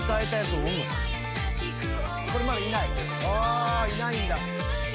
あいないんだ。